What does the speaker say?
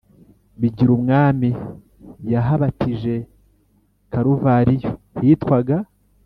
bigirumwami, yahabatije karuvariyo hitwaga